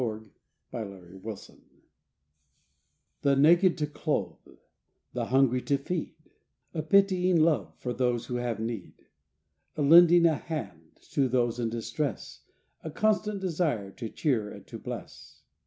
LIFE WAVES 35 MV CREED The naked to clothe, the hungry to feed, A pitying love for those who have need. A "lending a hand" to those in distress, A constant desire to cheer and to bless.